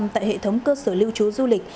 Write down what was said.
tại hệ thống cơ sở lưu trú du lịch